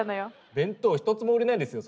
弁当ひとつも売れないですよ。